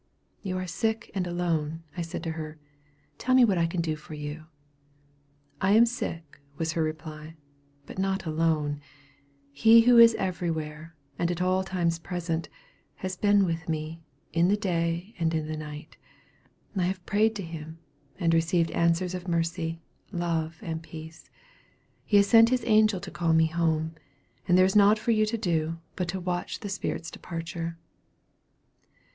"You are sick and alone," said I to her; "tell me what I can do for you." "I am sick," was her reply, "but not alone. He who is every where, and at all times present, has been with me, in the day and in the night. I have prayed to him, and received answers of mercy, love, and peace. He has sent His angel to call me home, and there is nought for you to do but to watch the spirit's departure."